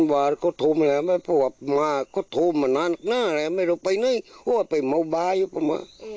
มาก็โทรมานานกนานแล้วไม่รู้จักซึ่งไปเมาบายอยู่มา